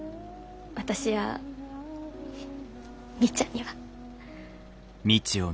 私やみーちゃんには。